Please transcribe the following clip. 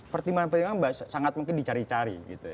pertimbangan pertimbangan sangat mungkin dicari cari